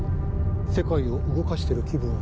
世界を動かしてる気分は。